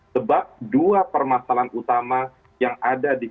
sebab dua permasalahan utama yang ada di